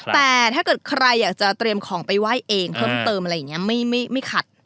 แต่ถ้าเกิดใครอยากจะเตรียมของไปไหว้เองเพิ่มเติมอะไรอย่างนี้ไม่ขัด